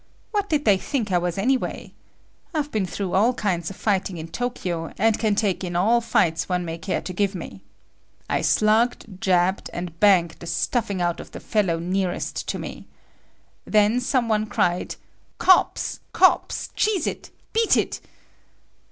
What did they think I was anyway! I've been through all kinds of fighting in Tokyo, and can take in all fights one may care to give me. I slugged, jabbed and banged the stuffing out of the fellow nearest to me. Then some one cried, "Cops! Cops! Cheese it! Beat it!"